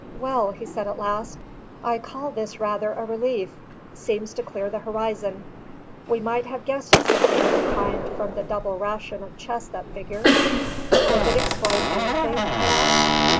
"Well," he said at last, "I call this rather a relief: seems to clear the horizon. We might have guessed at something of the kind from the double ration of chests that figured." "Does it explain anything?" I asked.